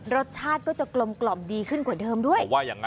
รสชาติก็จะกลมกล่อมดีขึ้นกว่าเดิมด้วย